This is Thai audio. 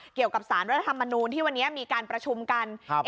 เกี่ยวกับสารรัฐธรรมนูลที่วันนี้มีการประชุมกัน